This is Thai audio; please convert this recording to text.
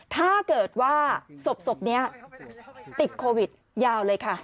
ถ้าเกิดว่าศพนี้ติดโควิดยาวเลยค่ะ